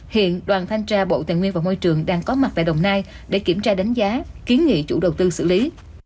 hiện đoàn thanh tra bộ tài nguyên và môi trường đang có mặt tại đồng nai để kiểm tra đánh giá kiến nghị chủ đầu tư xử lý